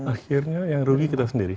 akhirnya yang rugi kita sendiri